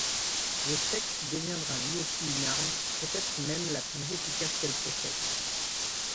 Le sexe deviendra lui aussi une arme, peut-être même la plus efficace qu'elle possède.